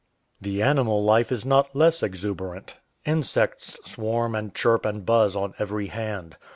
The animal life is not less exuberant. Insects swarm and chirp and buzz on every hand.